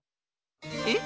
えっ！